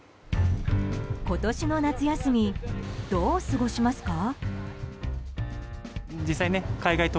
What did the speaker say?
今年の夏休みどう過ごしますか？